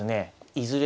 いずれ